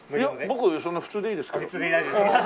僕そんな普通でいいですけど。